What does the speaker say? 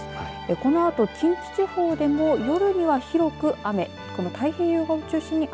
このあと近畿地方でも夜には広く雨。